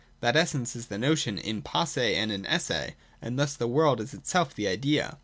That essence is the notion in posse and in esse : and thus the world is itself the idea.